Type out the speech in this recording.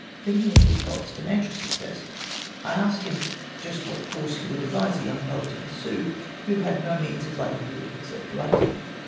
Thinking of this poet's financial success, I asked him just what course he would advise a young poet to pursue who had no means of liveli hood except writing.